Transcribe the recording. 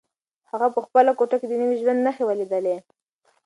هغه په خپله کوټه کې د نوي ژوند نښې ولیدلې.